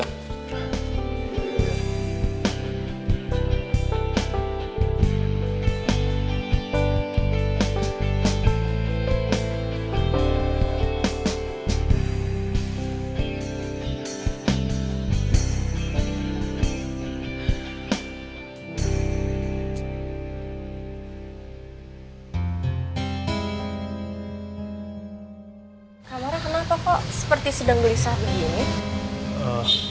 kamar kenapa kok seperti sedang berisah begini